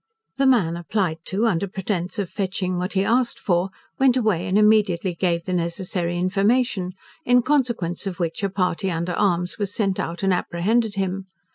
The man applied to, under pretence of fetching what he asked for, went away and immediately gave the necessary information, in consequence of which a party under arms was sent out and apprehended him.